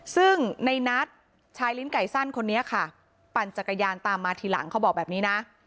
ซึ่งในนัทชายลิ้นไก่สั้นคนนี้ค่ะปั่นจักรยานตามมาทีหลังเขาบอกแบบนี้นะ